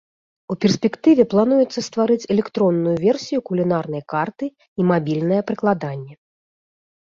У перспектыве плануецца стварыць электронную версію кулінарнай карты і мабільнае прыкладанне.